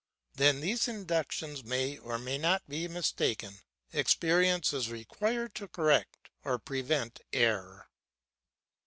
Then these inductions may or may not be mistaken. Experience is required to correct or prevent error.